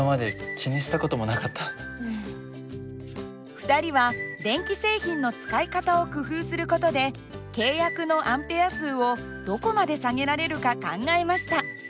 ２人は電気製品の使い方を工夫する事で契約のＡ数をどこまで下げられるか考えました。